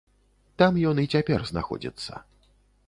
Там ён і цяпер знаходзіцца.